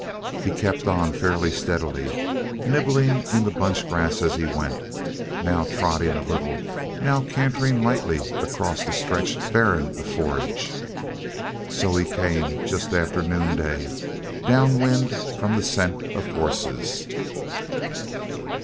He kept on fairly steadily, nibbling in the bunch grass as he went, now trotting a little, now cantering lightly across a stretch barren of forage. So he came, just after noonday, down wind from the scent of horses.